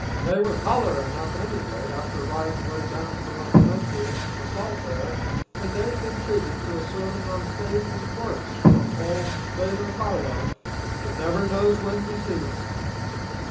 "They was holler enough anyway after ridin' 'way down from up country into the salt air, and they'd been treated to a sermon on faith an' works from old Fayther Harlow that never knows when to cease.